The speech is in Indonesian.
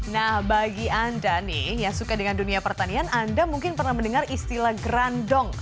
nah bagi anda nih yang suka dengan dunia pertanian anda mungkin pernah mendengar istilah grandong